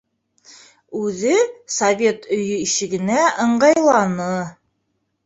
Үҙе Совет өйө ишегенә ыңғайланы.